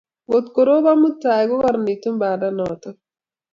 kot korob mutai ko kararanitu banda noton